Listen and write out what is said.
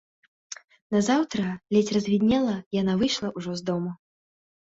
Назаўтра, ледзь развіднела, яна выйшла ўжо з дому.